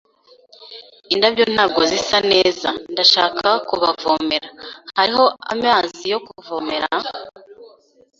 Indabyo ntabwo zisa neza. Ndashaka kubavomera. Hariho amazi yo kuvomera?